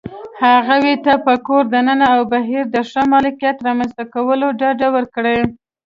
هغوى ته په کور دننه او بهر د ښه مارکيټ رامنځته کولو ډاډ ورکړى